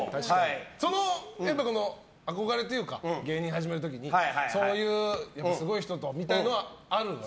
その憧れというか芸人を始める時にそういうすごい人とみたいなのはあるんだ。